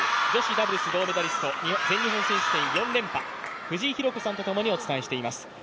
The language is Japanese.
ダブルス銀メダリスト、全日本選手権４連覇、藤井寛子さんと共にお伝えしていきます。